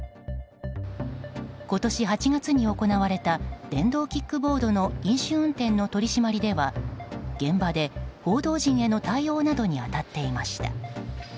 今年８月に行われた電動キックボードの飲酒運転の取り締まりでは現場で報道陣への対応などに当たっていました。